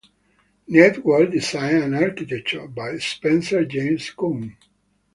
"Network Design and Architecture" by Spencer James Coon